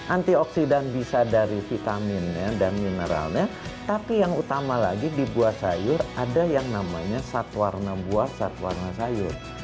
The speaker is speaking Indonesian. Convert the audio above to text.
antioksidan bisa dari vitaminnya dan mineralnya tapi yang utama lagi di buah sayur ada yang namanya sat warna buah sat warna sayur